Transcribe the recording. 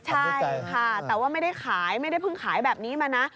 ใช่ค่ะแต่ว่าไม่ได้ขายไม่ได้เพิ่งขายแบบนี้มานะ